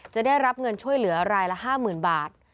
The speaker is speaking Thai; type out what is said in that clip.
จะได้รับเงินช่วยเหลือรายละ๕๐๐๐บาท